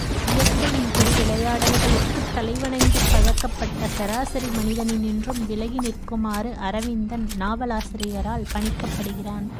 இயற்கையின் திருவிளையாடல்களுக்குத் தலைவணங்கிப் பழக்கப்பட்ட சராசரி மனித னினின்றும் விலகி நிற்குமாறு அரவிந்தன் நாவலாசிரியரால் பணிக்கப்படுகிறான்.